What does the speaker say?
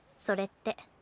それって。